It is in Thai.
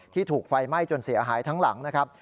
ถูกไฟไหม้จนเสียหายทั้งหลังนะครับ